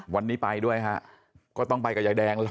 วันนี้ไปด้วยฮะก็ต้องไปกับยายแดง